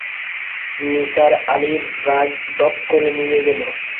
নিসার আলির রাগ দপ করে নিভে গেল।